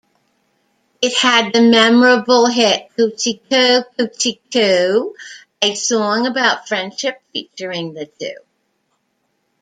It had the memorable hit "Kuchikku, Kuchikku", a song about friendship featuring the two.